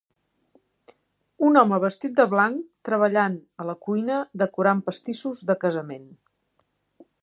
Un home vestit de blanc treballant a la cuina decorant pastissos de casament.